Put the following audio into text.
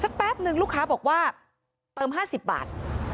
แป๊บนึงลูกค้าบอกว่าเติม๕๐บาท